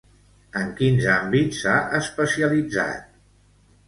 En quins àmbits s'ha especialitzat?